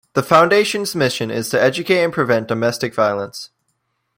The Foundation's mission is to educate and prevent domestic violence.